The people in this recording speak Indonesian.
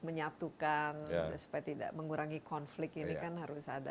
menyatukan supaya tidak mengurangi konflik ini kan harus ada